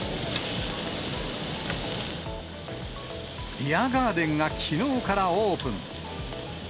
ビアガーデンがきのうからオープン。